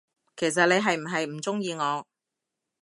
其實你係唔係唔鍾意我，？